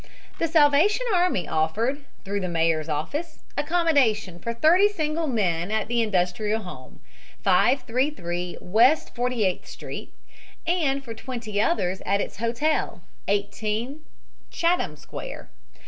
The Salvation Army offered, through the mayor's office, accommodation for thirty single men at the Industrial Home, 533 West Forty eighth Street, and for twenty others at its hotel, 18 Chatham Square.